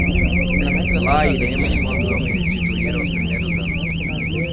lá iremos quando eu me restituir aos primeiros anos